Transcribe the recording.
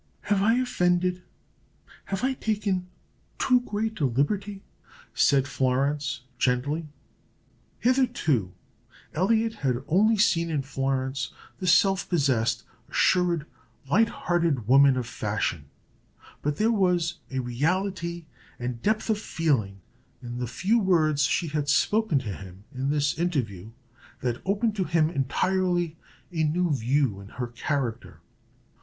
"Have I offended? Have I taken too great a liberty?" said Florence, gently. Hitherto Elliot had only seen in Florence the self possessed, assured, light hearted woman of fashion; but there was a reality and depth of feeling in the few words she had spoken to him, in this interview, that opened to him entirely a new view in her character.